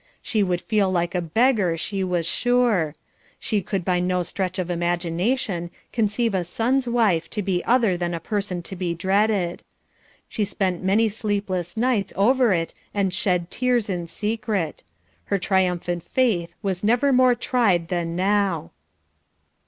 She would feel like a beggar she was sure. She could by no stretch of imagination conceive of a son's wife to be other than a person to be dreaded. She spent many sleepless nights over it and shed tears in secret. Her triumphant faith was never more tried than now.